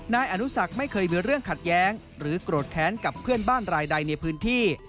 นายอนุสักไม่เคยมีเรื่องขัดแย้งหรือโกรธแค้นกับเพื่อนบ้านรายใดในพื้นที่